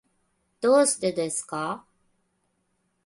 どうしてですか。